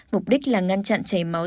mục đích là ngăn chặn chảy máu